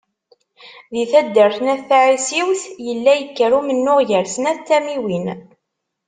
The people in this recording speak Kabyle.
Di taddart n Ayt Tɛisiwt yella yekker umennuɣ gar snat n tamiwin.